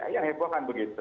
ya heboh kan begitu